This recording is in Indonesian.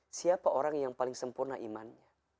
kita harus melihat siapa orang yang paling sempurna imannya